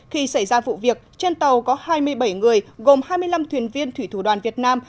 khi xảy ra vụ việc trên tàu có hai mươi bảy người gồm hai mươi năm thuyền viên thủy thủ đoàn việt nam